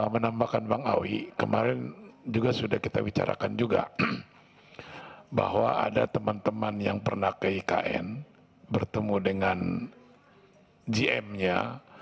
menambahkan bang awi kemarin juga sudah kita bicarakan juga bahwa ada teman teman yang pernah ke ikn bertemu dengan gm nya